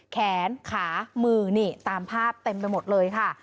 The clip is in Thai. แขนขามือนี่ตามภาพเต็มไปหมดเลยค่ะ